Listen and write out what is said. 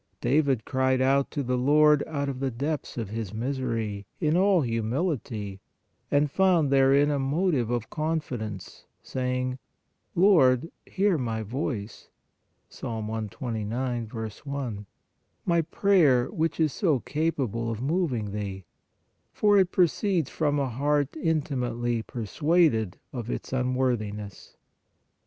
David cried out to the Lord out of the depths of his misery, in all humility, and found therein a motive of confidence, saying: "Lord, hear my voice" (Ps. 129. i), my prayer, which is so capable of moving Thee, for it proceeds from a heart intimately persuaded of its unworthi ness.